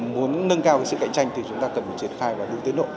muốn nâng cao sự cạnh tranh thì chúng ta cần một triển khai và đủ tiến độ